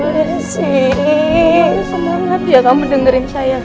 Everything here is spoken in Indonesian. semangat ya kamu dengerin saya